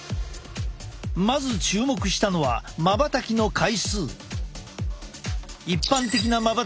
まず注目したのはまばたきの回数。